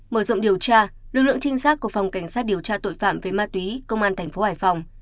mở rộng điều tra lực lượng trinh sát của phòng cảnh sát điều tra tội phạm về ma túy công an thành phố hải phòng